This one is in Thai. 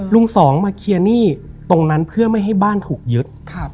สองมาเคลียร์หนี้ตรงนั้นเพื่อไม่ให้บ้านถูกยึด